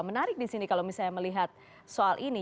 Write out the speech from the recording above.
menarik di sini kalau misalnya melihat soal ini